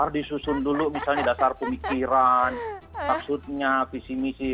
harus disusun dulu misalnya dasar pemikiran maksudnya visi misi